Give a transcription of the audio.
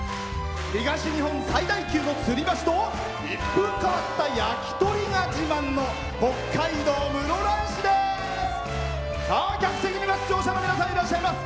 東日本最大級のつり橋と一風変わった、やきとりが自慢の北海道室蘭市です！